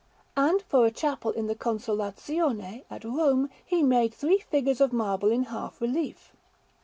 And for a chapel in the Consolazione, at Rome, he made three figures of marble in half relief.